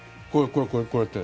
これ、こうやって。